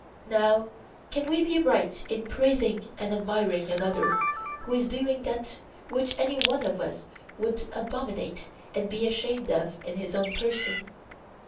Now can we be right in praising and admiring another who is doing that which any one of us would abominate and be ashamed of in his own person?